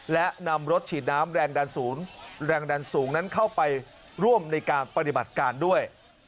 และนำรถฉีดน้ำแรงดันสูงแรงดันสูงนั้นเข้าไปร่วมในการปฏิบัติการด้วย